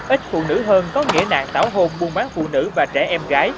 ít phụ nữ hơn có nghĩa nạn tảo hồn buôn bán phụ nữ và trẻ em gái